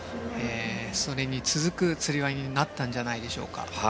それに続くつり輪になったんじゃないでしょうか。